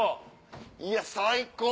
いや最高。